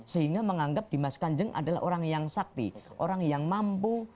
sehingga menganggap dimas kanjeng adalah orang yang sakti orang yang mampu